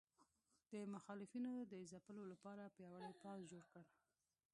د مخالفینو د ځپلو لپاره پیاوړی پوځ جوړ کړ.